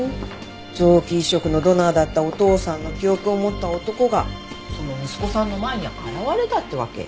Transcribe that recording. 臓器移植のドナーだったお父さんの記憶を持った男がその息子さんの前に現れたってわけ。